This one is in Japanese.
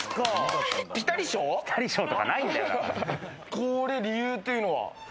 これ、理由というのは？